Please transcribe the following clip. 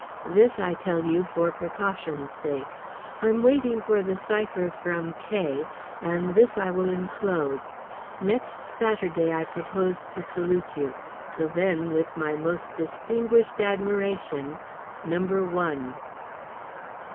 This I tell you for precaution's sake. I am waiting for the cipher from K and this I will enclose. Next Saturday I propose to salute you. Till then with my most distinguished admiration, Number One.